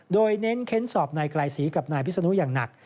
โดยเน้นเค้นสอบนายไกลศรีกับนายพิศนุอย่างหนัก